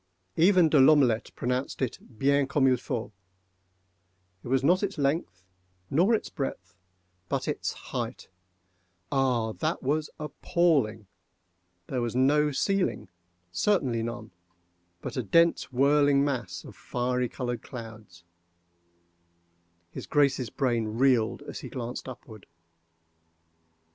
Even De L'Omelette pronounced it bien comme il faut. It was not its length nor its breadth,—but its height—ah, that was appalling!—There was no ceiling—certainly none—but a dense whirling mass of fiery colored clouds. His Grace's brain reeled as he glanced upward.